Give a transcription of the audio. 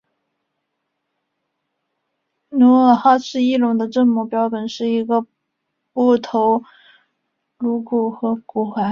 努尔哈赤翼龙的正模标本是一个部份头颅骨与骨骸。